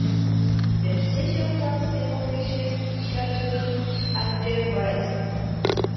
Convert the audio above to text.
The station was demolished shortly afterwards.